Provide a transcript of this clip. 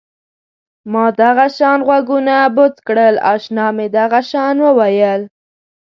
ما دغه شان غوږونه بوڅ کړل اشنا مې دغه شان وویل.